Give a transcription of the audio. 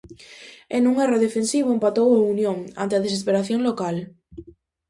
E nun erro defensivo empatou o Unión, ante a desesperación local.